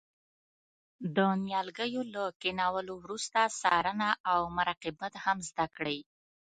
د نیالګیو له کینولو وروسته څارنه او مراقبت هم زده کړئ.